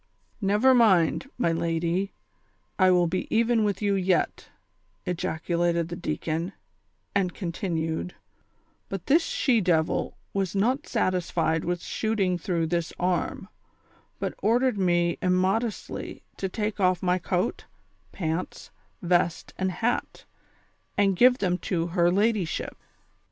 "Never mind, my lady, I will be even with you j'et," ejaculated the deacon ; and continued :" But this she devil was not satisfied witli shooting through this arm, but ordered me immodestly to take off my coat, pants, vest and hat, and give them to her ladyship.